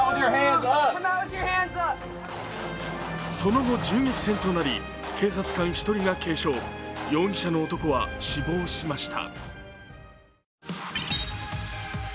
その後、銃撃戦となり、警察官１人が軽傷、容疑者の男は死亡しました。